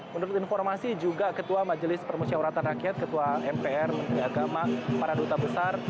menurut informasi juga ketua majelis permusyawaratan rakyat ketua mpr menteri agama para duta besar